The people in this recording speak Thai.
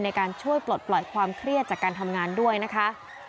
ในการช่วยปลดปล่อยความเครียดจากการทำงานด้วยนะคะ